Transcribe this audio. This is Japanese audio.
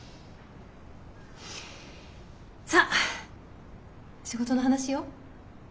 さっ仕事の話よ。